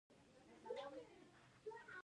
صدفونه په ساحل کې پیدا کیږي